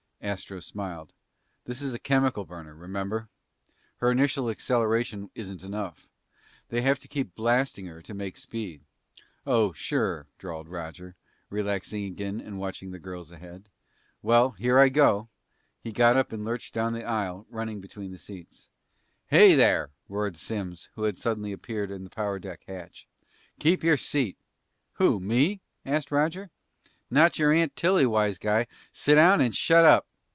Astro smiled. "This is a chemical burner, remember? Her initial acceleration isn't enough. They have to keep blasting her to make speed." "Oh, sure," drawled Roger, relaxing again and watching the girls ahead. "Well, here I go!" He got up and lurched down the aisle running between the seats. "Hey there!" roared Simms, who had suddenly appeared at the power deck hatch. "Keep your seat!" "Who, me?" asked Roger. "Not your Aunt Tilly, wise guy! Sit down and shut up!"